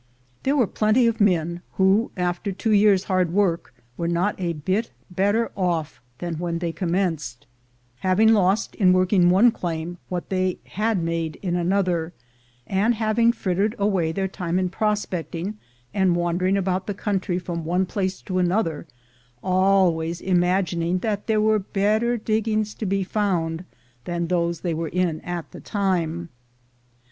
There were plenty of men who, after two years' hard work, were not a bit better off than when they commenced, having lost in working one claim what they had made in another, and having frittered away their time in prospecting and wandering about the country from one place to another, always imagining that there were better diggings to be found than those they were in at the time.